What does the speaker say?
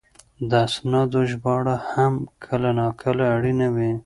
د اسنادو ژباړه هم کله ناکله اړینه وي.